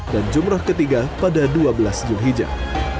dan jumroh ketiga pada dua belas julhijjah